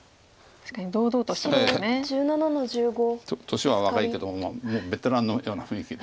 年は若いけどもベテランのような雰囲気で。